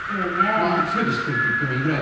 まあ全て知ってると言ってもいいぐらい